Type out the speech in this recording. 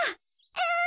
うん。